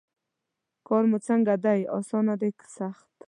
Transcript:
کار مو څنګه دی اسان دی که سخت.